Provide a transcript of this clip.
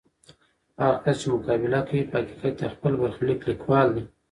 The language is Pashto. هغه کس چې مقابله کوي، په حقیقت کې د خپل برخلیک لیکوال دی.